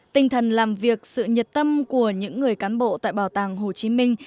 tinh thần làm việc sự nhiệt tâm của những người cán bộ tại bảo tàng hồ chí minh